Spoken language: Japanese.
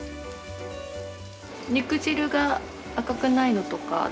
肉汁が赤くないのとか